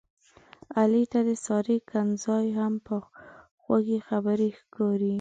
علي ته د سارې کنځاوې هم په خوږې خبرې ښکاري.